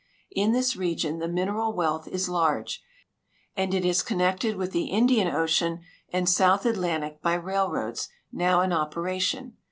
In this region the mineral wealth is large, and it is connected with the Indian ocean and South Atlantic by railroads now in operation.